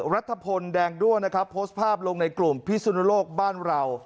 รัฐพลแดงด้วนะครับโพสต์ภาพลงในกลุ่มพิสุนโลกบ้านเรา